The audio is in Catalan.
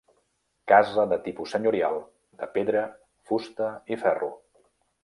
Casa de tipus senyorial, de pedra, fusta i ferro.